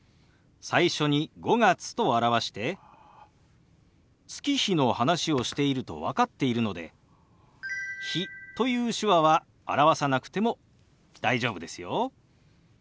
最初に「５月」と表して月日の話をしていると分かっているので「日」という手話は表さなくても大丈夫ですよ。